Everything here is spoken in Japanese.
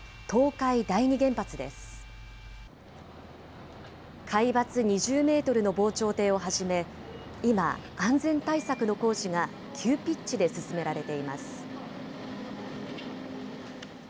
海抜２０メートルの防潮堤をはじめ、今、安全対策の工事が急ピッチで進められています。